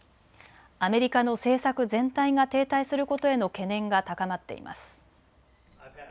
アメリカの政策全体が停滞することへの懸念が高まっています。